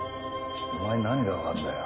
お前に何がわかるんだよ